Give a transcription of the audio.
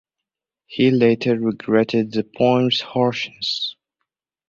He later regretted the poem's harshness.